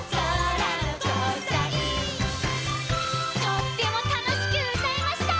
とってもたのしくうたえました！